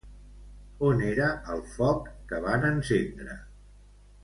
On era el foc que van encendre?